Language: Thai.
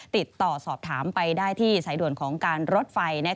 ติดต่อสอบถามไปได้ที่สายด่วนของการรถไฟ